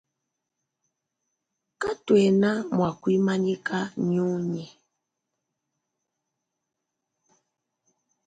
Katuena mua kuimanyika nyunyi.